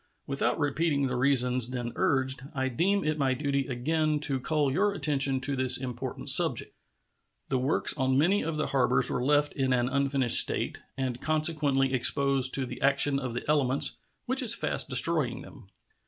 Without repeating the reasons then urged, I deem it my duty again to call your attention to this important subject. The works on many of the harbors were left in an unfinished state, and consequently exposed to the action of the elements, which is fast destroying them.